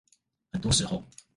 很多時候